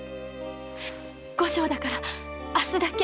後生だから明日だけ！